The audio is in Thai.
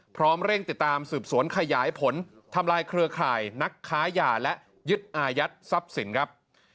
พร้อมเร่งติดตามสืบสวนขยายผลทำลายเครือข่ายนักค้ายาและยึดอายัดทรัพย์สินครับ